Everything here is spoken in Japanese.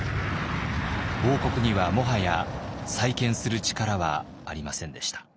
王国にはもはや再建する力はありませんでした。